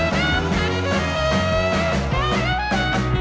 รับทราบ